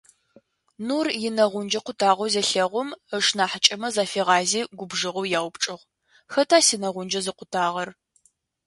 Нур инэгъунджэ къутагъэу зелъэгъум, ышнахьыкӀэмэ зафигъази губжыгъэу яупчӀыгъ: «Хэта синэгъунджэ зыкъутагъэр?».